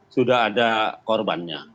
sudah ada korbannya